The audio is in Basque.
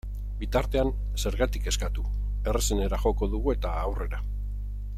Bitartean, zergatik kezkatu, errazenera joko dugu eta aurrera!